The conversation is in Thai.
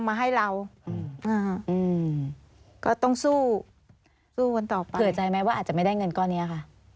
เผื่อใจไหมว่าอาจจะไม่ได้เงินก้อนนี้ค่ะ